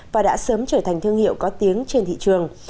và đã sớm trở thành thương hiệu có tiếng trên thị trường